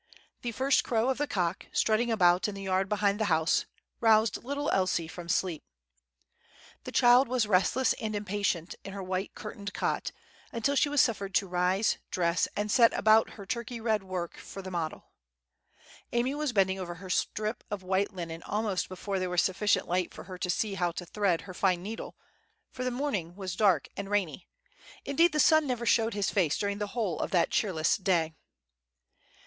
The first crow of the cock, strutting about in the yard behind the house, roused little Elsie from sleep. The child was restless and impatient in her white curtained cot, until she was suffered to rise, dress, and set about her Turkey red work for the model. Amy was bending over her strip of white linen almost before there was sufficient light for her to see how to thread her fine needle, for the morning was dark and rainy; indeed the sun never showed his face during the whole of that cheerless day.